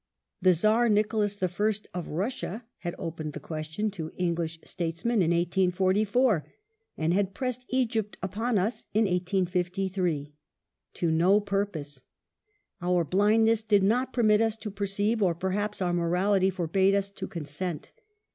The Czar Nicholas I. of Russia had opened the question to English statesmen in 1844 and had pressed Egypt upon us in 1853.^ To no purpose. Our blindness did not permit us to per ceive, or perhaps our morality forbade us to consent.